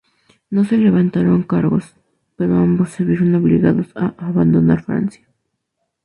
No se levantaron cargos, pero ambos se vieron obligados a abandonar Francia.